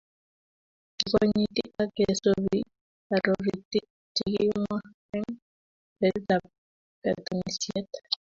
kikonyiti ak kesubii arorutik chekikimwaa eng betutab katunisiet